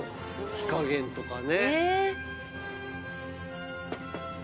火加減とかね。